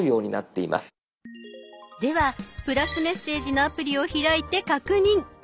では「＋メッセージ」のアプリを開いて確認。